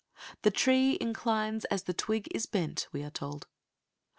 "The tree inclines as the twig is bent," we are told.